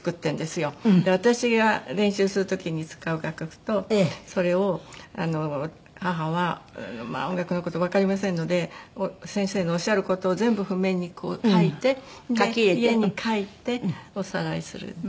私が練習する時に使う楽譜とそれを母は音楽の事わかりませんので先生のおっしゃる事を全部譜面に書いて家に帰っておさらいする。